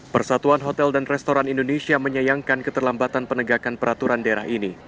persatuan hotel dan restoran indonesia menyayangkan keterlambatan penegakan peraturan daerah ini